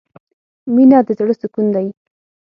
مینه د زړه سکون دی.